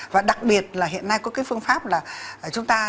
và đặc biệt là hiện nay có cái phương pháp là